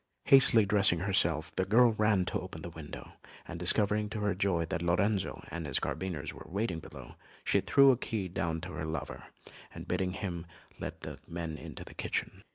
Hastily dressing herself, the girl ran to open the window, and discovering to her joy that Lorenzo and his carbineers were waiting below, she threw a key down to her lover, bidding him let the men into the kitchen.